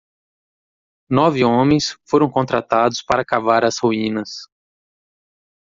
Nove homens foram contratados para cavar as ruínas.